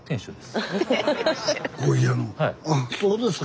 あっそうですか。